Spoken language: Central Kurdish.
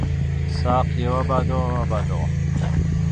ساقییا! وا بادەوە، وا بادەوە